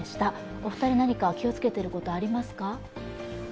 お二人何か気をつけてることありますか。